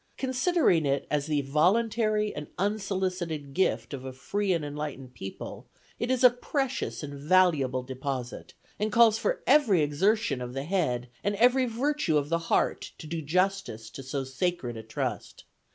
Considering it as the voluntary and unsolicited gift of a free and enlightened people, it is a precious and valuable deposit and calls for every exertion of the head and every virtue of the heart to do justice to so sacred a trust.